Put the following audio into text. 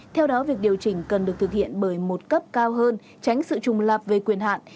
theo đó việc điều chỉnh cần được thực hiện bởi một cấp cao hơn tránh sự trùng lập về quyền hạn